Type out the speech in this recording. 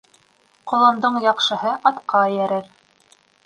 Ҡолондоң яҡшыһы атҡа эйәрер